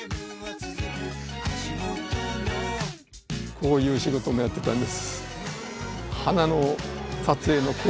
こういう仕事もやってたんです。